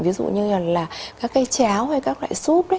ví dụ như là các cái cháo hay các loại súp